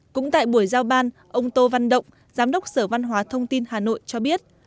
cũng tại buổi giao ban ông tô văn động giám đốc sở văn hóa thông tin hà nội cho biết